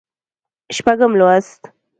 شپږم لوست